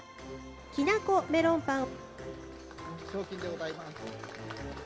きな粉メロンパン。